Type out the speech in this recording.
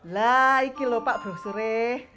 lah iki lho pak brosure